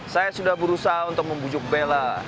saya sudah berusaha untuk membujuk bela